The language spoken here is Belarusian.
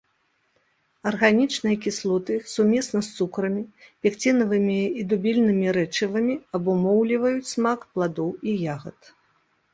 Арганічныя кіслоты сумесна з цукрамі, пекцінавымі і дубільнымі рэчывамі абумоўліваюць смак пладоў і ягад.